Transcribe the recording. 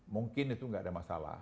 mungkin itu nggak ada masalah